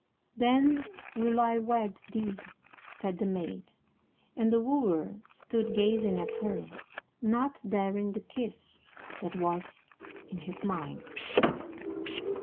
"Then will I wed thee," said the maid, and the wooer stood gazing at her, not daring the kiss that was in his mind.